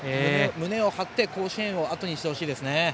胸を張って、甲子園をあとにしてほしいですね。